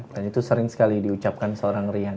dan itu sering sekali diucapkan seorang rian